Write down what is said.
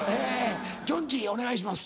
きょんちぃお願いします。